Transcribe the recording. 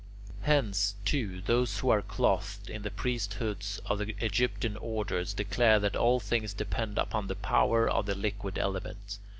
Hence, too, those who are clothed in priesthoods of the Egyptian orders declare that all things depend upon the power of the liquid element.